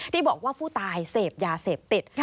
ที่บอกว่าผู้ตายเสพยาเสพติด